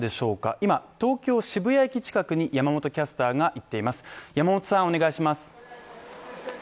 今、東京・渋谷駅近くに山本キャスターが行っています。